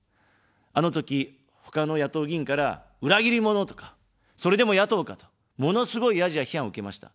あのとき、ほかの野党議員から裏切り者とか、それでも野党かと、ものすごいヤジや批判を受けました。